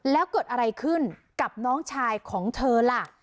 แล้วเกิดอะไรขึ้นกับน้องชายของเธอล่ะ